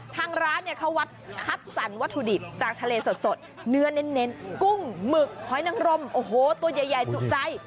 ทางร้านเนี่ยเขาวัดคัดสรรวัตถุดิบจากทะเลสดเนื้อเน้นกุ้งหมึกหอยนังรมโอ้โหตัวใหญ่จุใจ